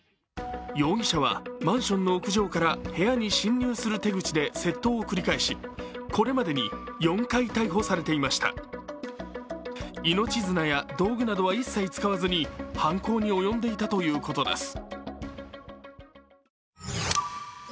容疑者はマンションの屋上から部屋に侵入する手口で窃盗を繰り返しこれまでに４回逮捕されていました命綱や道具などは一切使わずに犯行に及んでいたということです。